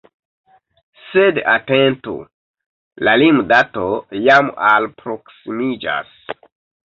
Sed atentu: la lim-dato jam alproksimiĝas!